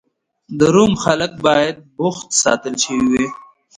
د روم خلک باید بوخت ساتل شوي وای